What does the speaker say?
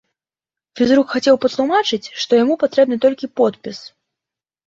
Фізрук хацеў патлумачыць, што яму патрэбны толькі подпіс.